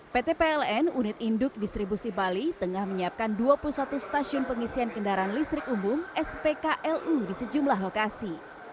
pt pln unit induk distribusi bali tengah menyiapkan dua puluh satu stasiun pengisian kendaraan listrik umum spklu di sejumlah lokasi